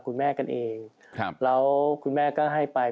พบมือนภาพของเวลานำอาวุฯ